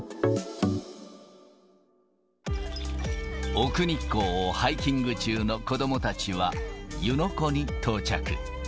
奥日光をハイキング中の子どもたちは、湯ノ湖に到着。